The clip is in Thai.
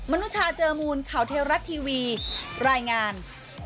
นุชาเจอมูลข่าวเทวรัฐทีวีรายงาน